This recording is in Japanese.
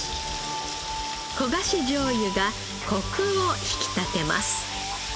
焦がし醤油がコクを引き立てます。